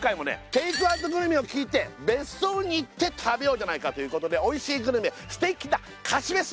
テイクアウトグルメを聞いて別荘に行って食べようじゃないかということでおいしいグルメ素敵な貸別荘